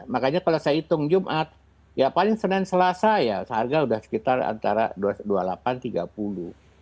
makanya kalau saya hitung jumat ya paling senin selasa ya seharga sudah sekitar antara rp dua puluh delapan rp tiga puluh